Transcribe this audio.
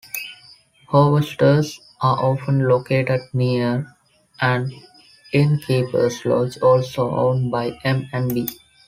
Harvesters are often located near an Innkeeper's Lodge, also owned by M and B.